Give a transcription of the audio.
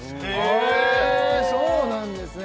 へえそうなんですね